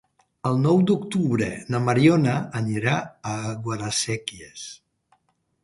El nou d'octubre na Mariona anirà a Guadasséquies.